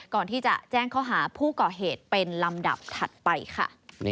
ก่อนที่จะแจ้งข้อหาผู้ก่อเหตุเป็นลำดับถัดไปค่ะ